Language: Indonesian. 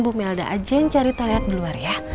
bu melda aja yang cari taliat di luar ya